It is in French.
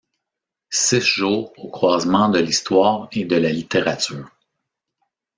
Six jours aux croisements de l’Histoire et de la Littérature.